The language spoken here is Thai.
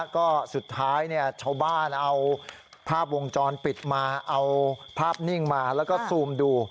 ก็สุดท้ายชาวบ้านเอาภาพวงจรปิดมาเอาภาพนิ่งมาแล้วก็ซูมดู